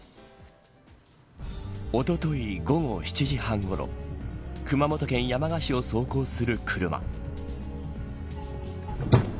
おととい、午後７時半ごろ熊本県山鹿市を走行する車。